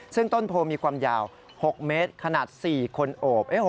ซึ่งต้นโพมีความยาว๖เมตรขนาด๔คนโอบ